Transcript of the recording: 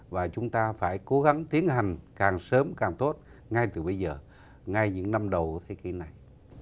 và chúng ta phải cố gắng tiến hành càng sớm càng tốt ngay từ bây giờ ngay những năm đầu của thế kỷ này